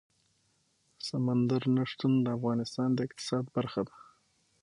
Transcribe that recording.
سمندر نه شتون د افغانستان د اقتصاد برخه ده.